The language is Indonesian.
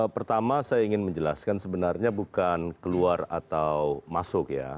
pertama saya ingin menjelaskan sebenarnya bukan keluar atau masuk ya